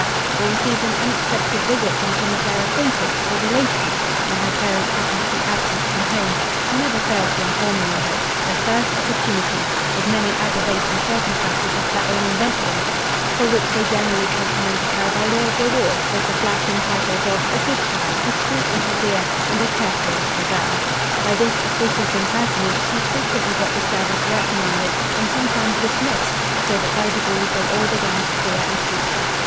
or received an unexpected visit from some of their acquaintance, or relations, when her parents happened to be absent from home; she never failed to inform them of it, the first opportunity, with many aggravating circumstances of her own invention; for which they generally complimented her, by way of reward, with the flattering titles of a good child, a sweet little dear, and a careful little girl. By this officious impertinence she frequently got the servants reprimanded, and sometimes dismissed; so that by degrees they all began to fear and hate her.